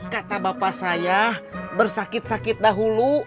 kata bapak saya bersakit sakit dahulu